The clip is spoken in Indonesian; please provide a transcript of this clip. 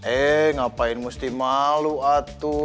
eh ngapain mesti malu atu